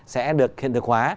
sẽ được hiện thực hóa